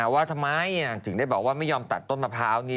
ว่าทำไมถึงได้บอกว่าไม่ยอมตัดต้นมะพร้าวนี้